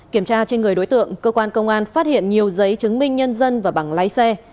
kiểm tra trên người đối tượng cơ quan công an phát hiện nhiều giấy chứng minh nhân dân và bằng lái xe